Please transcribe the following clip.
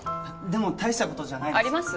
でも大した事じゃないです。